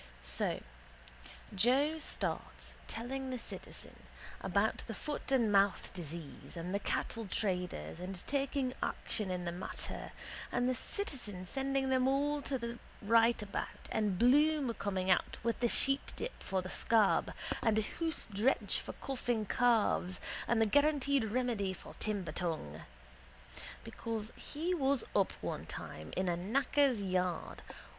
So Joe starts telling the citizen about the foot and mouth disease and the cattle traders and taking action in the matter and the citizen sending them all to the rightabout and Bloom coming out with his sheepdip for the scab and a hoose drench for coughing calves and the guaranteed remedy for timber tongue. Because he was up one time in a knacker's yard.